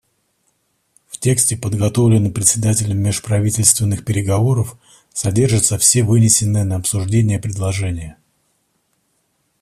В тексте, подготовленном Председателем межправительственных переговоров, содержатся все вынесенные на обсуждение предложения.